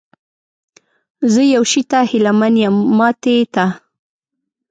زه یو شي ته هیله من یم، ماتې ته؟